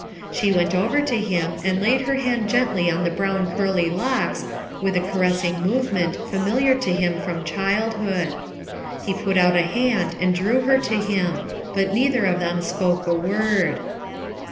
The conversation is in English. She went over to him and laid her band gently on the brown curly locks, with a caressing movement familiar to him from childhood. He put out a hand and drew her to him, but neither of them spoke a word.